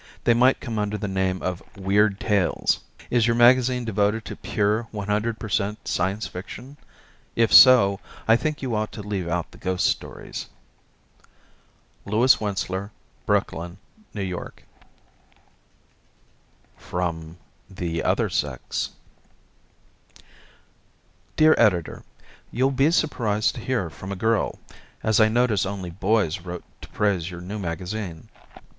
They might come under the name of weird tales. Is your magazine devoted to pure 100 per cent. Science Fiction? If so, I think you ought to leave out the ghost stories. Louis Wentzler, 1933 Woodbine St., Brooklyn, N. Y. From the Other Sex Dear Editor: You'll be surprised to hear from a girl, as I notice only boys wrote to praise your new magazine.